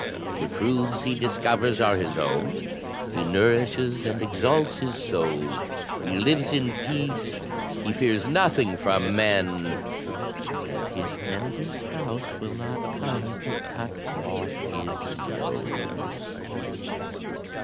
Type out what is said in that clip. The truths he discovers are his own, he nourishes and exalts his soul; he lives in peace; he fears nothing from men; and his tender spouse will not come to cut off his nose."